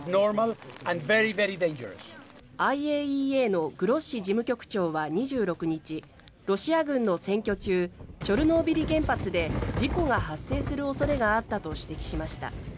ＩＡＥＡのグロッシ事務局長は２６日ロシア軍の占拠中チョルノービリ原発で事故が発生する恐れがあったと指摘しました。